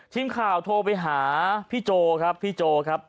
ทีมข่าวโทรไปหาพี่โจครับพี่โจครับ